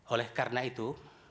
oleh karena itu